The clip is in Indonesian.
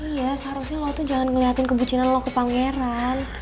iya seharusnya lo tuh jangan ngeliatin kebucinan lo ke pangeran